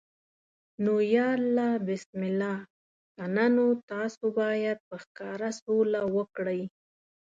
نو یا الله بسم الله، کنه نو تاسو باید په ښکاره سوله وکړئ.